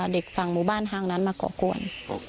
ฝั่งหมู่บ้านห้างนั้นมาก่อกวน